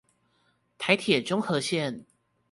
台鐵中和線